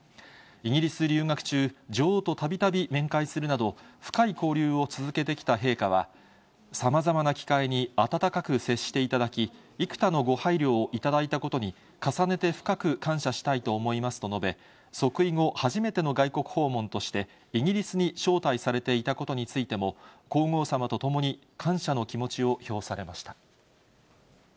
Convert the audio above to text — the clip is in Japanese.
イギリス留学中、女王とたびたび面会するなど、深い交流を続けてきた陛下は、さまざまな機会に温かく接していただき、幾多のご配慮を頂いたことに、重ねて深く感謝したいと思いますと述べ、即位後初めての外国訪問として、イギリスに招待されていたことについても、皇后さまと共に感謝の気持ちを表されました。